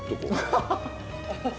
アハハハ！